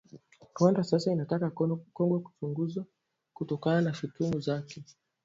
Rwanda sasa inataka Kongo kuchunguzwa kutokana na shutuma zake